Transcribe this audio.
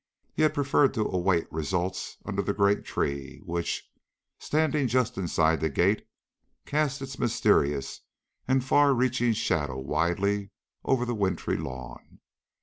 He had preferred to await results under the great tree which, standing just inside the gate, cast its mysterious and far reaching shadow widely over the wintry lawn.